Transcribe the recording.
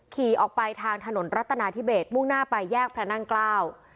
ขี่ออกไปทางถนนรัฐนาธิเบสมุ่งหน้าไปแยกพระนั่งเกล้า